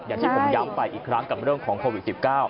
อย่างที่ผมย้ำไปอีกครั้งกับเรื่องของโควิด๑๙